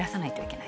ない